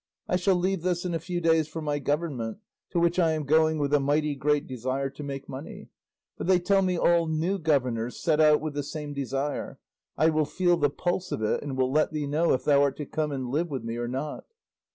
I shall leave this in a few days for my government, to which I am going with a mighty great desire to make money, for they tell me all new governors set out with the same desire; I will feel the pulse of it and will let thee know if thou art to come and live with me or not.